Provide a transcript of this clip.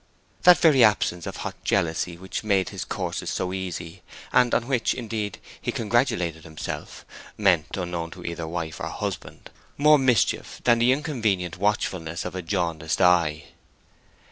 That very absence of hot jealousy which made his courses so easy, and on which, indeed, he congratulated himself, meant, unknown to either wife or husband, more mischief than the inconvenient watchfulness of a jaundiced eye.